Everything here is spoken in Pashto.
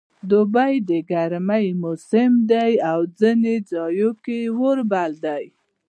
دوبی د ګرمي موسم دی او ځینې ځایو کې اوړی بولي